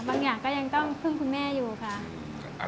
อย่างก็ยังต้องพึ่งคุณแม่อยู่ค่ะ